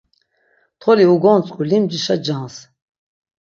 Toli ugontzǩu limcişa cans.